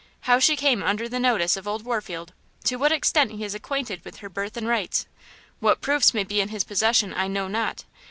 How she came under the notice of old Warfield–to what extent he is acquainted with her birth and rights–what proofs may be in his possession I know not.